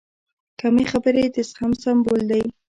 کمې خبرې، د زغم سمبول دی.